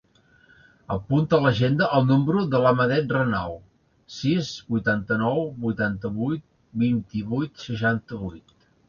Apunta a l'agenda el número de l'Ahmed Renau: sis, vuitanta-nou, vuitanta-vuit, vint-i-vuit, seixanta-vuit.